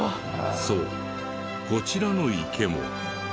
そうこちらの池も。